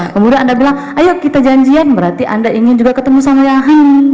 kemudian anda bilang ayo kita janjian berarti anda ingin juga ketemu sama yahan